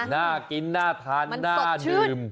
น่ากินน่าทานน่าดื่ม